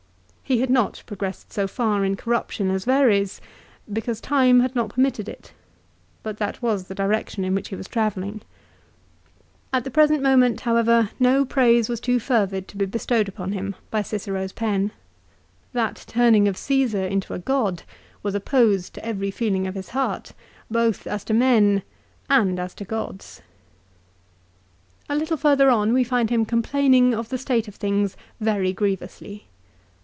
He had not progressed so far in corruption as Verres, because time had not permitted it, but that was the direction in which he was travelling. At the present moment, however, no praise was too fervid to 1 Ad Div. ix. 11. CAESAR'S DEATH. 223 be bestowed upon him by Cicero's pen. That turning of Csesar into a god was opposed to every feeling of his heart, both as to men and as to gods. A little further on l we find him complaining of the state of things very grievously.